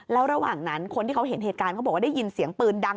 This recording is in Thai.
แล้วระหว่างนั้นคนที่เขาเห็นเหตุการณ์เขาบอกว่าได้ยินเสียงปืนดัง